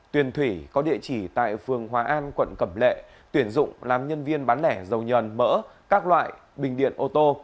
tuyền thủy có địa chỉ tại phường hòa an quận cẩm lệ tuyển dụng làm nhân viên bán lẻ dầu nhờn mỡ các loại bình điện ô tô